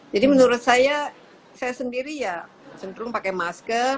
jadi menurut saya saya sendiri ya senterung pakai masker